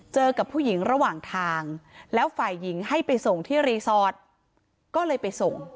กับผู้หญิงระหว่างทางแล้วฝ่ายหญิงให้ไปส่งที่รีสอร์ทก็เลยไปส่ง